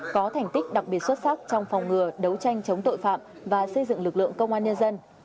có thành tích đặc biệt xuất sắc trong phòng ngừa đấu tranh chống tội phạm và xây dựng lực lượng công an nhân dân